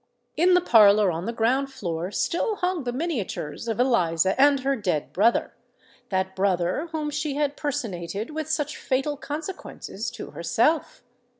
In the parlour on the ground floor still hung the miniatures of Eliza and her dead brother—that brother whom she had personated with such fatal consequences to herself!